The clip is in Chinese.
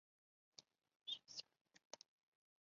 石晓云南大理人。